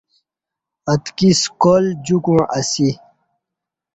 اتکی سکال جوکوع اسی۔